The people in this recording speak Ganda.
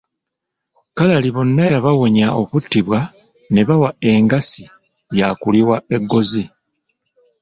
Kalali bonna yabawonya okuttibwa ne bawa engassi ya kuliwa eggozi.